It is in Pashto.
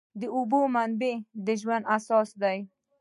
د اوبو منابع د ژوند اساس دي.